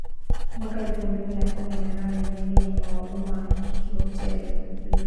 mwaka elfu mbili na kumi na nane ndege yenye wahudumu wa kike wote iliruka